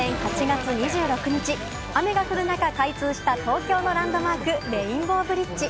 １９９３年８月２６日、雨が降る中開通した東京のランドマーク、レインボーブリッジ。